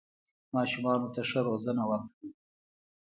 ماشومانو ته ښه روزنه ورکړئ